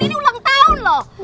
ini ulang tahun loh